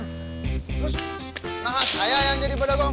terus kenapa saya yang jadi bedegong